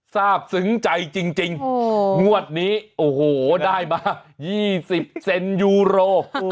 ทราบซึ้งใจจริงงวดนี้โอ้โหได้มา๒๐เซนยูโร